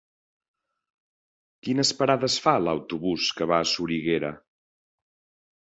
Quines parades fa l'autobús que va a Soriguera?